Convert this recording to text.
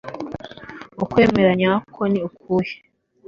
ukwemera nyako ni ukuhe?